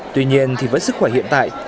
tuy nhiên thì với sức khỏe hiện tại